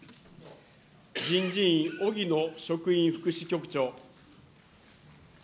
人事院、荻野職員福祉局長。